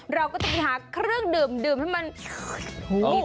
เราก็จะไปหาเครื่องดื่มดื่มให้มันอีกความสุข